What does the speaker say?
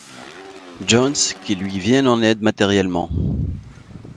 Jones, qui lui viennent en aide matériellement.